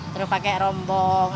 terus pakai rombong